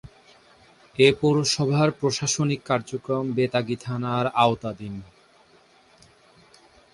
এ পৌরসভার প্রশাসনিক কার্যক্রম বেতাগী থানার আওতাধীন।